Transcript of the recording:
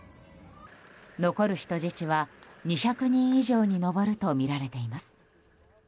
残る人質は２００人以上に上るとみられています。